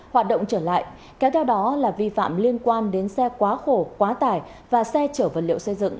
hoạt động trở lại kéo theo đó là vi phạm liên quan đến xe quá khổ quá tải và xe chở vật liệu xây dựng